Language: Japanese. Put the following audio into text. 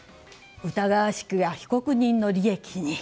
疑わしきは被告人の利益に。